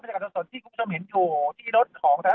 กินดอนเมืองในช่วงเวลาประมาณ๑๐นาฬิกานะครับ